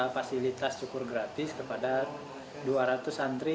fasilitas syukur gratis kepada dua ratus santri